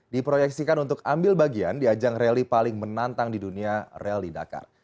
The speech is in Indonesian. diproyeksikan untuk ambil bagian di ajang rally paling menantang di dunia rally dakar